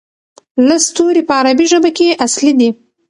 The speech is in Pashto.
لس توري په عربي ژبه کې اصلي دي.